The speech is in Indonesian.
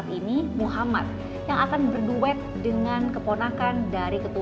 pdi perjuangan dan gerindra berkuasa dengan perusahaan yang berpengaruh